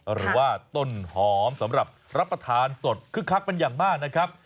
หรือว่าต้นหอมสำหรับรับประทานสดคึกคักเป็นอย่างมากนะครับ